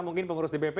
mungkin pengurus dpp